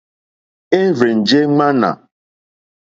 É rzènjé ŋmánà.